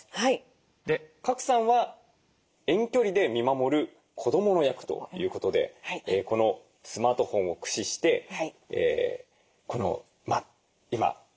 賀来さんは遠距離で見守る子どもの役ということでこのスマートフォンを駆使して今熱中症が心配な時期ですからね